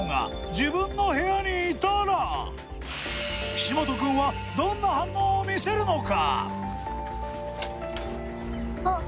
岸本くんはどんな反応をみせるのか？